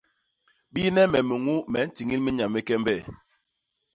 Biine me miñuu me ntiñil minya mi kembe.